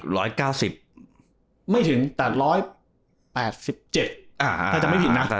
ร้อยเก้าสิบไม่ถึงแปดร้อยแปดสิบเจ็ดอ่าถ้าจะไม่ผิดนะ